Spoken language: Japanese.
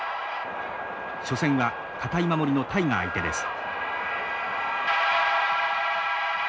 初戦は堅い守りのタイが相手です。